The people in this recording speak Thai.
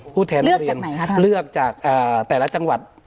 ผู้แทนนักเรียนเลือกจากไหนค่ะท่านเลือกจากอ่าแต่ละจังหวัด